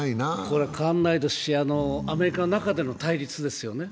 これは変わらないですし、アメリカの中での対立ですよね。